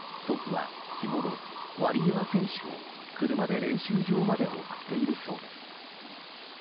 祖父は日ごろ、ワリエワ選手を車で練習場まで送っているそうです。